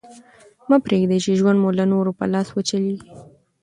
مه پرېږده، چي ژوند مو د نورو په لاس وچلېږي.